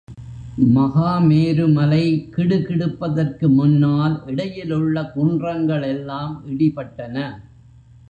மகா மேரு மலை கிடு கிடுப்பதற்கு முன்னால் இடையிலுள்ள குன்றங்கள் எல்லாம் இடிபட்டன.